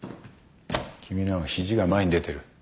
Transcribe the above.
君のは肘が前に出てる。